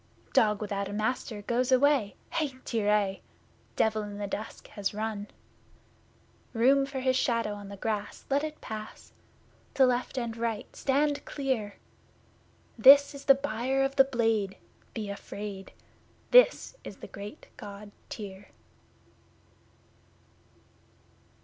Dog without a Master goes away (Hai, Tyr aie!), Devil in the Dusk has run! Then: Room for his shadow on the grass let it pass! To left and right stand clear! This is the Buyer of the Blade be afraid! This is the great God Tyr!